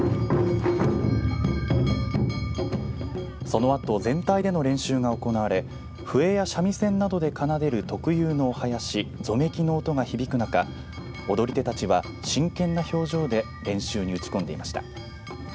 そのあと、全体での練習が行われ笛や三味線などで奏でる特有のお囃子ぞめきの音が響く中踊り手たちは真剣な表情で練習に打ち込んでいました。